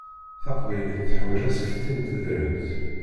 Taqbaylit teḥwaǧ asefti n tedrimt.